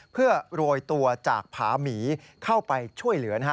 เพื่อโรยตัวจากผาหมีเข้าไปช่วยเหลือ